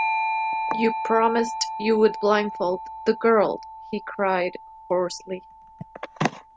"You promised you would blindfold the girl," he cried hoarsely.